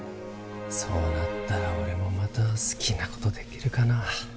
そうなったら俺もまた好きなことできるかな